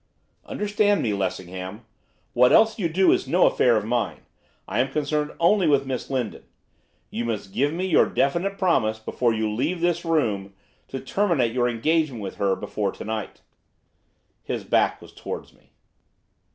'Understand me, Lessingham. What else you do is no affair of mine. I am concerned only with Miss Lindon. You must give me your definite promise, before you leave this room, to terminate your engagement with her before to night.' His back was towards me.